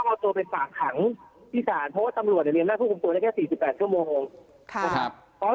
เอาตัวไปฝากขังที่ศาลเพราะว่าตำรวจเรียนหน้าควบคุมตัวได้แค่๔๘ชั่วโมงนะครับ